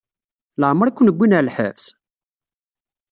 Leɛmeṛ i ken-wwin ɣer lḥebs?